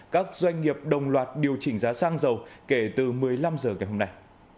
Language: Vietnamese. các doanh nghiệp đồng loạt điều chỉnh giá xăng dầu kể từ một mươi năm h ngày hôm nay